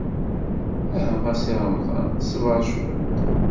Aha a Si Remḍan, ṣber cwiṭ.